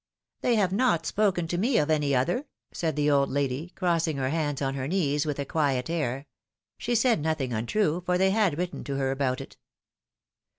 ^^ They have not spoken to me of any other,'^ said the old lady, crossing her hands on her knees with a quiet air ; she said nothing untrue, for they had written to her about it.